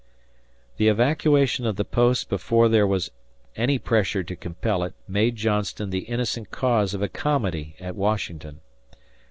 The evacuation of the post before there was any pressure to compel it made Johnston the innocent cause of a comedy at Washington.